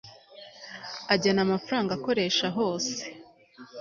agena amafaranga akoresha hose